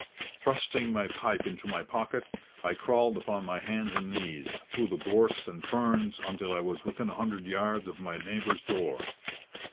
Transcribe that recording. Thrusting my pipe into my pocket, I crawled upon my hands and knees through the gorse and ferns until I was within a hundred yards of my neighbour's door.